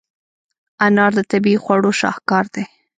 انار د طبیعي خواړو شاهکار دی.